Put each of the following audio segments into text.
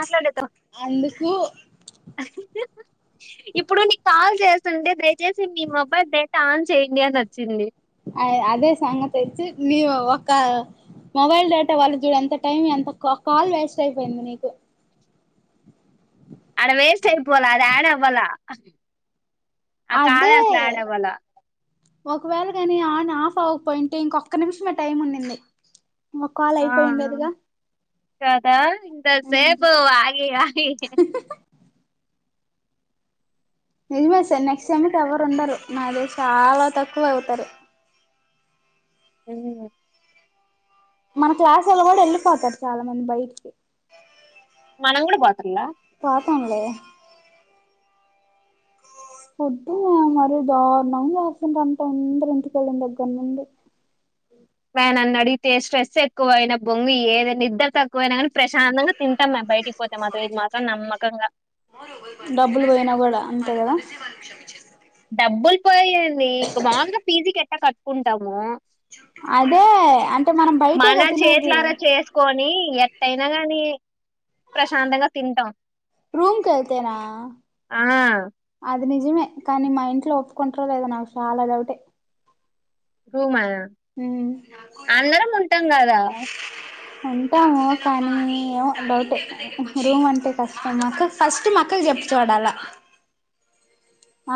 అట్లాండెతో అందుకు ఇప్పుడు నీకు కాల్ చేస్తుంటే దయచేసి మీ మొబైల్ డేటా ఆన్ చేయండి అని వచ్చింది అ అదే సంగతి ఇచ్చి నీ ఒక మొబైల్ డేటా వాళ్ళు చూడ ఎంత టైం ఎంత కాల్ వేస్ట్ అయిపోయింది నీకు ఆడ వేస్ట్ ఆయిపోల ఆడ యాడ్ అవ్వాల ఆ కాల్ అదే అసల్ యాడ్ అవలె ఒకవేళ కాని ఆన్, ఆఫ్ అవ్వకపోయింటే ఇంకొక్క నిమిషమే టైం ఉన్నింది ఒక కాల్ ఆ అయిపోయిండేదిగా కదా ఇంత సేపు ఆగి ఆగి నిజమే సార్ నెక్స్ట్ టైమ్కి ఎవరు ఉండరు నాకు తెల్సి చాలా తక్కువ అవుతారు మ్మ్ మన క్లాసోల్లు కూడా వెళ్ళిపోతారు చాలా మంది బయటికి మనం కూడా పోతండ్లా హలో వద్దు మరి దారుణం చేస్తుంటంటే అందరు ఎందుకెళ్ళిన దగ్గర నుండి రానన్నడిగితే స్ట్రెస్ ఎక్కువయిన బొంగు ఏమి నిద్ద తక్కువైనా కానీ ప్రశాంతంగా తింటాం మేము బయటికి పోతే మాత్రం ఇది మాత్రం నమ్మకంగా వాళ్ళు క్షమించ డబ్బులు పోయింది ఇంక మాాందుగా పీజీకి ఎట్ట కట్టుకుంటాము అదే అంటే మనం మన బయటేగా తినేది చేతులర చేసుకొని ఎట్టయినా కాని ప్రశాంతంగా తింటాం రూమ్ కెళ్తేనా ఆ అది నిజమే కానీ మా ఇంట్లో ఒప్పుకుంటారు లేదా నాకు చాలా డౌటే రూమా ఉమ్ అందరం ఉంటాం కదా ఉంటాము కానీ ఏమో డౌట్ రూమ్ అంటే కష్టం మాకు ఫస్ట్ అక్క కి చెప్పు చూడాల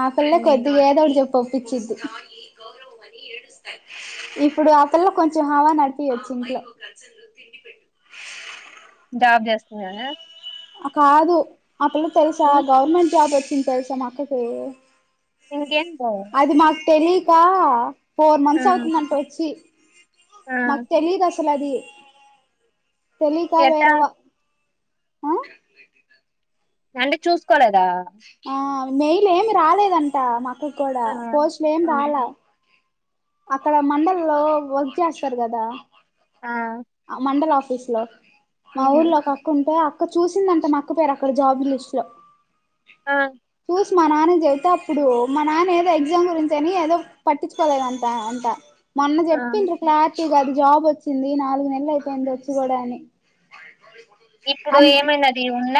ఆ పిల్ల ఉమ్, కొద్ది ఏదోడు చెప్పు పప్పించిద్ది ఇప్పుడు ఆ పిల్ల కొంచెం హావా నడిపివచ్చు ఇంట్లో జాబ్ చేస్తున్నా కాదు అక్కలు తెలుసా ఉమ్, గవర్మెంట్ జాబ్ ఎ ఇది తెల్సా నా అక్క కి ఇంకేన్ బా తెలీక ఫోర్ మంత్స్ అవుతుందంట వచ్చి ఆ మాకు తెలిదసలు [inaudible] తెలీక ఎట్టా వేరవా ఆ అంటే చూసుకోలేదు ఆ మెయిల్ ఏమి రాలేదంటా మా కు కూడా ఆ పోస్టులు ఏం ఆ రాలా అక్కడ మండల లో వర్క్ చేస్తారు కదా ఆ మండల వఫ తీస్లా మా ఉమ్, ఊర్లో ఒక అక్క ఉంటే అక్క అక్క చూసిందింట నక్కపోయరు అక్కడ జాబు లిస్ లో ఆ మా నాన్న చెబతే అప్పుడు మా నాన్న ఏదో ఎగ్జామ్ గురించి అని ఏదో పట్టించుకోలేదు అంట అంట మొన్న ఆ చెప్పిండ్ర క్లా అది జాబ్ వచ్చింది నాలుగు ఎ అయిపోయింది వచ్చి కూడా అని ఇప్పుడు అన్ ఏమైనది ఉన్న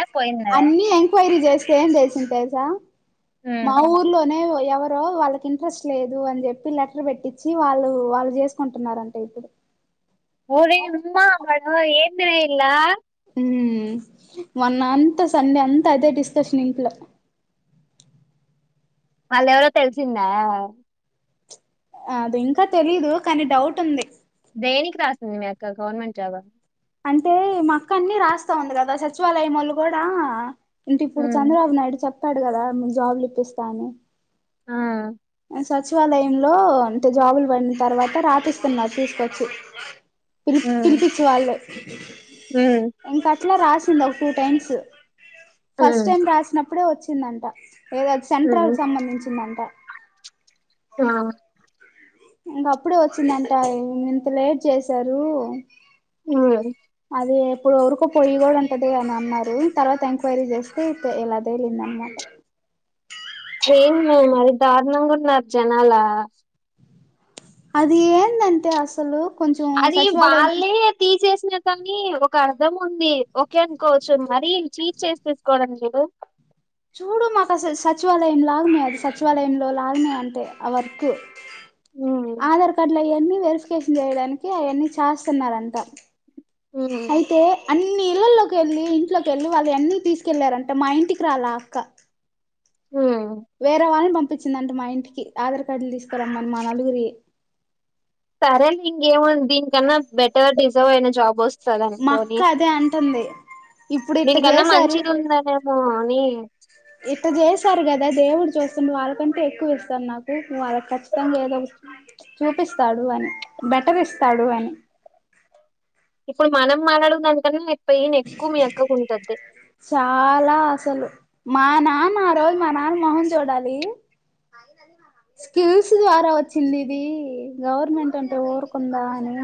అన్ని ఎంక్వైరీ ఈ రోజు ఏం చేసిందో తెలుసా మా ఊర్లోనే ఎవరో వాళ్ళకి ఇంట్రెస్ట్ లేదు అని చెప్పి లెటర్ పెట్టించి వాళ్ళు వాళ్ళు చేసుకుంటున్నారంట ఇప్పుడు ఊరి ఉమ్మా బా ఏందిన వీల్లా ఉ మొన్న అంత సండే అంత అదే డిస్కషన్ ఇంట్లో వాళ్ళెవరో తెలిసిందా అది ఇంకా తెలీదు కానీ డౌట్ ఉంది దేనికి రాసింది మీ అక్క గవర్నమెంట్ జాబా అంటే మా అక్క అన్ని రాస్తా ఉంది కదా సచివాలయం వాళ్ళు కూడా అంటే ఆ ఇప్పుడు చంద్రబాబు నాయుడు చెప్ప చెప్పాడు కదా నేను జాబులు ఇప్పిస్తాని ఆ సచివాలయంలో అంటే జాబులు పడిన తర్వాత రాపిస్తున్నారు తీసుకొచ్చి తిరి ఉమ్. తిరిపించే వాళ్లే హ్మ్ అట్లా రాసింది ఒక two times first hmm time రాసినప్పుడే వచ్చి చ్చిందంట ఏదో సెంట్రల్ హ్మ్ సంబంధించిందంట ఆ ఇంక అప్పుడే వచ్చిందంట ఇంత లేట్ చేసారు ఆ ఇప్పుడు వరుకు పొయ్యి గూడా ఉంటది అని అన్నారు తర్వాత ఎంక్వైరీ చేస్తే ఇలా తేలింద అనమాట ఏం చేయను దారుణంగా ఉన్నారు జనాల అది ఏందంతే అసలు కొంచెం అది సచివాలయం వాళ్లే తీసేసి [unintelligible] ఒక అర్ధం ఉంది ఓకే అనుకోవచ్చు మరీ చీట్ చేసి తీసుకోవడం మీరు చూడు మాకు అసలు సచివాలయం లాగనే అది సచివాలయంలో లాగనే అంటే ఆ వర్క్ హ్మ్ ఆధార్ కార్డుల అయ్యాన్ని వెరిఫికేషన్ జేయడానికి అవన్నీ చేస్తన్నారంట హ్మ్ అయితే అన్ ఇన్ని ఇళ్ళల్లోకి ఎళ్లి ఇంట్లోకి ఎళ్ళి వాళ్ళు ఎన్ని తీసుకెళ్ళారంట మా ఇంటికి రాలా అక్క హ్మ్ వేరే వాళ్ళ బం పపించిందంట మా ఇంటికి ఆధార్ కార్డులు తిసుకురమ్మని మా నలుగురివి సరే ఇంకేముంది దీనికన్నా బెటర్ డిజర్వ్ అయిన జాబ్ వస్ మా అక్క అదే అంటుంది ఇప్పుడు ఇట్ట దీనికన్నా జేసారు మంచిది ఉందనేమో అని ఇట్ట జేసారు గదా దేవుడు చూస్తుండు వాళ్ళకంటే ఎక్కువ ఇస్తారు నాకు వాళ్ళకి ఖచ్చితంగా ఏదో చూపిస్తాడు అని బెటర్ ఇస్తాడు అని ఇప్పుడు మనం మాట్లాడే దానికన్నా ఏ పెయిన్ ఎక్కువ మీ అక్క కుంటద్దీ చాలా అసలు మా నాన్న ఆ రోజు మా నాన్న మొహం చూడాలి స్కిల్స్ ద్వారా వచ్చింది ఇది గవర్నమెంట్ అంటే ఊరుకుందా అని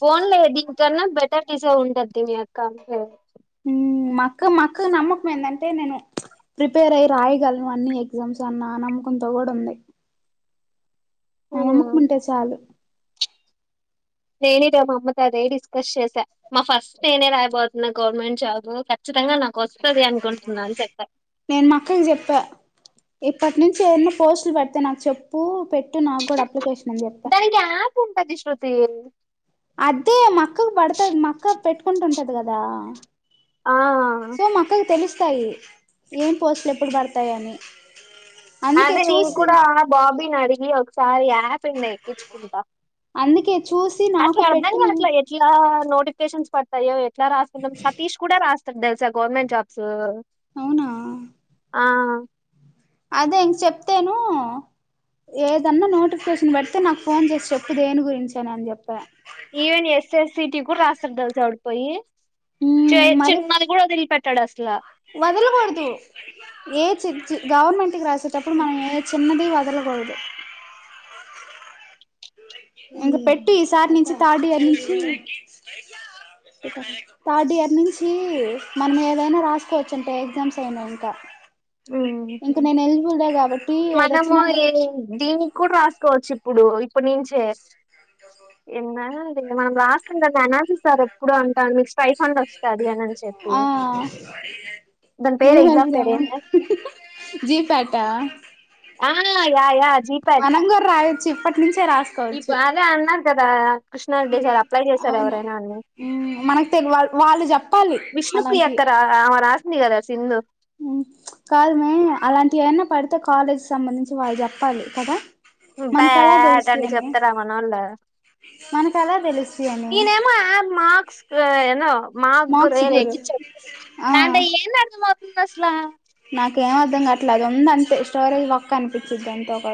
పోన్లే దీ కన్నా బెటర్ థిసే ఉంటది మీ అక్క అందుకే ఉమ్ మక్క మక్క నమ్మకం ఏందంటే నేను ప్రిపేర్ అయి రాయగలను అన్ని ఎగ్జామ్స్ అన్నా నమ్మకంతో గూడా ఉంది ఆ హ్మ్ నమ్మకం ఉంటే చాలు నేనే ర మా అమ్మతో అదే డిస్కస్ చేసా మా ఫస్ట్ నేనే రాయబోతున్న గవర్నమెంట్ జాబ్ కచ్చితంగా నా కొస్తది అనుకుంటున్నా అని చెప్ప ఇప్పట్ నుంచి ఎన్న పోస్టులు పడితే నాకు చెప్పు పెట్ ట్టు నాకు గూడా అప్లికేషన్ అని జెప్పా తి టది గదా ఆ సో మా అక్కకి తెలుస్ వస్తాయి ఏం పోస్ట్లు ఎప్పుడు బడతాయి అని అదే నేను కూడా ఆ బాబీ నీ అడి గి ఈ ఒకసారి యా యాపిడ్ నే ఎక్కిచ్చుకుంటా అందుకే చూసి నాకు అట్లా అర్ధం పెట్టు మేము గావట్లే ఎట్లా నోటిఫ్ టిఫికేషన్స్ పడతయోఏ లా రాసుకుంటాం సతీష్ కూడా రాస్ ఒక్కటి తెలుస గవర్నమెంట్ జాబ్స్ అవునా అ అదే ఇంక చెప్తేను ఏదన్నా నోటిఫికేషన్ పడితే నాకు ఫోన్ చేసి చెప్పు దేని గురించని అని చెప్ even S S C T కూడా రాస్తార్ తెల్సా ఆడుకు పోయి చే మ్మ్ మరి చిన్నది కూడా వదిలిపెట్ అంటాడాస్లా వదలకూడదు ఏ చిచి గవర్నమెంట్ తిరిగి రాసేటప్పుడు మనం ఏ చిన్న దీ వదలకూడదు ఇంకా పెట్టు ఈసారి నుంచి థర్డ్ ఇయర్ నుంచి థర్డ్ ఇయర్ నుంచి మనం ఏదైనా రాసుకోవచ్చు అంటే ఎగ్జామ్స్ అయినా ఇంక ఉమ్ నేను ఎలిజిబుల్ కాబట్టి మనము ఏదొచ్చినా ఈ దీన్ని కూడా రాసుకోవచ్చు ఇప్పుడు ఇప్పునుంచే నిన్న నిన్న మనం రాసింది అనాలసిస్ సరేప్పుడో అంటాంది మీకు స్పయి ఆ దాని పేరు లేదు ఎగ్జామ్ అక్క పేరు ఏంది జీ ఫ్యాటా ఆ యా యా జీపాట్ మనంకూడా రాయి చేప్పండి ఇప్పుడు అదే అన్నా గద్ కదా కృష్ణారెడ్డి సార్ అప్లై చేశారు అవును ఎవరైనా అని హ్మ్ మనకు తెలి వా వాళ్ళు చెప్పాలి విష్ణుప్రియ అలాంటివి అక్క రా ఆమె రాసింది కదా సింధు హ్మ్ కాదు మే అలాంటివి ఏవన్నా పడతే కాలేజ్ సంబంధించి వాళ్ళు చెప్పాలి కదా హ్మ్ మనకు ఎలా పాఆ తెలుస్తాయి అని చెప్తారా మన ఒళ్ళు మనకు ఎలా తెలుస్తాయి అని ఈయనే ఏమో అమ్ మార్క్స్ ఏందో మాకు కూడా మార్క్స్ గురు ఎక్కించి ఆ దాంట్ల ఎం అర్థం అవు ఇం అసలా నాకేం అర్థం కావట్లే అది ఉంది అంతే స్టోరేజ్ బొక్క అనిపించింది అంతే ఒక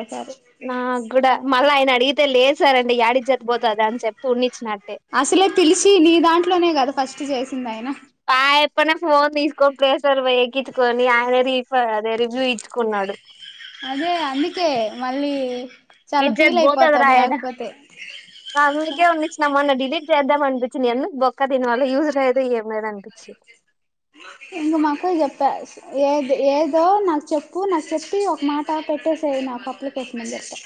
నా కుడా మళ్ళ ఆయన అడిగితే లేద్ సార్ అండి యాడికి చెప్పి పొతదా అని ఉన్ని అసలే తేలిసి నీదాంట్లో ఇట్లోనే కదా ఫస్ట్ చేసింది ఆయన ఆయాపనే ఫోన్ తీసుకొని ప్లే స్టోర్ వేళ్ళి ఎక్కించుకొని ఆయన రిఫర్ అదే రివ్యూ ఇచ్చుకున్నాడు అదే అందికే మళ్ళీ చాలా ఇజ్జత్ ఫీల్ పోతదిరా అయిపోతాడు ఆయన లేకపోతే చేద్దాం అనిపించింది ఎందు బొక్క దీని వాళ్ళ యూస్ లేదు ఏం లేదు అనిపించి ఇంగ మా అక్క కు చెప్పా ఏ ఏదో నాకు చెప్పు నాకు చెప్పి ఒక మాట పెట్టేసే నాకు అప్లికేషన్ అని చెప్పా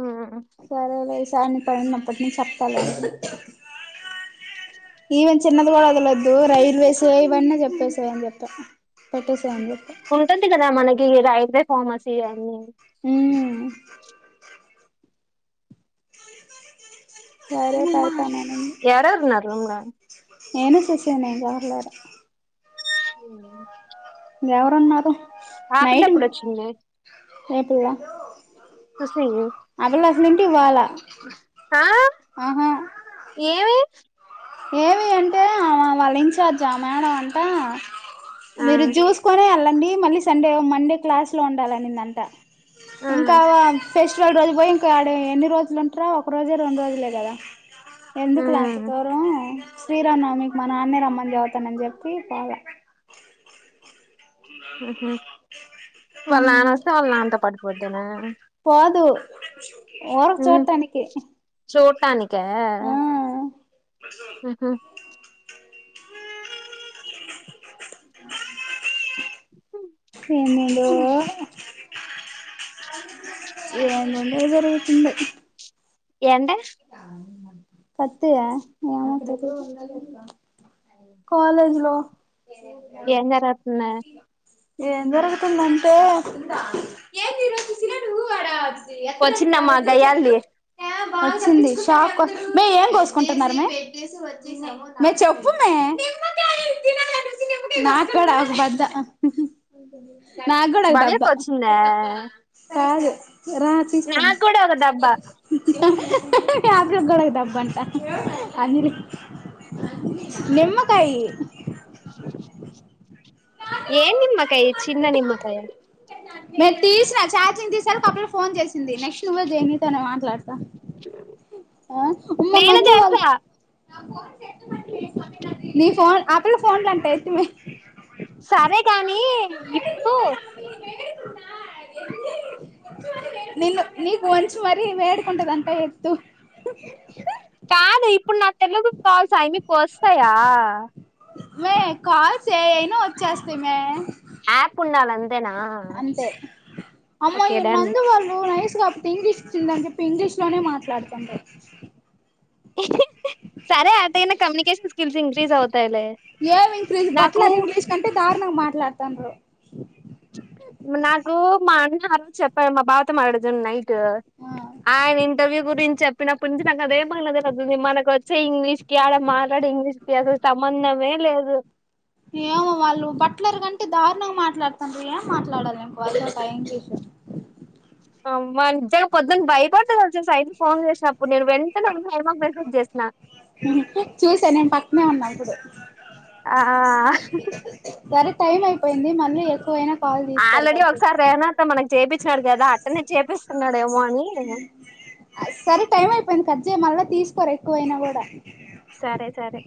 ఉమ్ సరేలే ఈ సారి నేను పైన ఉన్నప్ అప్పటి నుంచి చెప్తాలే ఈవెన్ చిన్నది కూడా వదలదు రైల్వేస్ ఇవన్నీ చెప్పేసాయ అని చెప్ప పెట్టేసేయ్ అని చెప్ప ఉంటది కదా మనకి రైల్వే ఫార్మసీ అని హ్మ్ సరే పెడతాననింది యడున్నారు రూమ్ లా నేను ససినే ఇంక ఎవరు లేరు హ్మ్ ఎవరున్నారు ఆ పిల్ల ఎప్పుడోచింది రేపు లా చూస్తీ ఇ నేను ఇంటికి పోలె ఆ ఏమి ఏవి అంటే వాళ్ళ ఇన్ఛార్జ్ ఆ మేడం అంటా ఆ మీరు జ్యూస్ కొనే అలా అండి మళ్ళీ సండే మండే క్లాస్ లో ఉండాలినిందంట ఆ ఇంకావా ఫెస్టివల్ రోజు పోయి ఇంకాడ ఎన్ని రోజులు ఉంటారా ఒక రోజే రెండు రోజులే కదా ఎందుకులా అంత ఉమ్ దూరం శ్రీరామ్ నవమికి మా నాన్నే రమ్మని చబవుతానని చెప్పి పోలా ఉ హ్మ్ వాళ్ళ నాన్న వస్తే వాళ్ళ నాన్నతో పటి వద్దన్నానా పోదు ఊరు ఉమ్ చోడతానకి ఆ ఆహ ఏనుడు ఏందే జరుగుతుంది ఎండ పతి ఏ కాలేజ్ లో ఏం జరుగుతుందా ఏం జరుగుతుందంటే ఎత్తడానికి వచ్చిందమ్మా రాలేదు చెట్లు గయ్యాళిది ప షాప్ మే ఏం కోసుకుంటున్నారు మ మే చెప్పు మే నాకు కూడా ఒక బద్ద నాక్కూడా ఒక దెబ్బ భవ్యకు వచ్చింద కాదు రా తీస్తన్నా [unintelligible] బ్ంటా అని నిమ్మకాయి ఏ నిమ్మకాయ చిన్న నిమ్మకాయ మ తీసిన చార్చంగ్ తీసారారు కప్పుడ [unintelligible] ఫోన్ చేసింది నెక్స్ట్ నువ్వే చెయ్ నీతోనే మాట్లాడత లా [unintelligible] ఆ ఉమా నేను చేస్తా ఫన్ [unintelligible] ఆపల ఫోన్లు అంటా ఎత్తుమే సరే గాని ఇప్పుడు నిన్ను నీకు ఒంచం మరి మేడ్కుంటద అంతా ఎతు కాదె ఇప్పుడు నా తెలుగు కాల్స్ అయి మీకోస్తాయా మే కాల్స్ ఏ అయినా వచ్చేస్తయ్ మే ఆప్ ఉండాల అంతే ఓకే డన్ ఇంగ్లీష్ ఒచ్చిందని చెప్పి ఇంగ్లీష్ లోనే మాట్లాడుతంటది సారే అట్టిగ కమ్యునికేషన్ ఏం ఇంక్రీజ్ నాకు బట్లర్ ఇంగ్లీష్ కంటే దారుణం మా లతాండ్రు నాకూ మా ఆరోజు చెప్పా మా బావతో మట్ నైట్ ఆ ఆయన ఇంటర్వ్యూ గురించెప్పినప్పటి నుంచి నాకు అదే [unintelligible] మనకొచ్చి చ్చే ఇంగ్లీష్ కి ఆడ మాట్లాడే ఇంగ్లీష్ కి అసలు సంబంధమే లేదు ఏమో వాళ్ళు బట్లర్ కం దారుణంగా మాట్లాడుతన్రు ఏం మాట్లాడాలి ఇంక వాళ్ళతోటా ఇంగ్లీషు అవ్వ నిజంగ పొద్దున్ భయపడ్డ తెల్సా శైలు ఫోన్ చేసినప్పుడు నేను వెన్ చూసా నేన్ పక్నే ఉన్నా ఇప్పుడు ఆ ఆ సరే టైం అయిపోయింది మళ్ళీ ఎక్కువైనా కాల్ తీసుకోరు ఆల్రెడి కట్ చేయి ఒకసారి రేహనాతో మన చేపిచ్చినాడు కదా అట్టనే చేపిస్తున్నార్ సరే టైమ్ అయి దాన్ని కట్జెయ్ మళ్ళ తీస్తరు ఎక్కువైనా కూడా సరే సరే